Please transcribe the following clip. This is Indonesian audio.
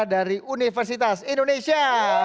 dari universitas indonesia